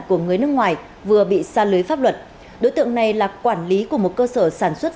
của người nước ngoài vừa bị xa lưới pháp luật đối tượng này là quản lý của một cơ sở sản xuất